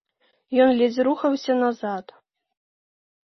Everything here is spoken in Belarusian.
Ён ледзь рухаўся назад.